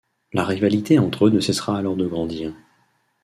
La rivalité entre eux ne cessera alors de grandir.